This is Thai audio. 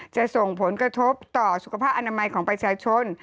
จะส่งผลกระทบต่อสุขภาพอนามัยของประชาชน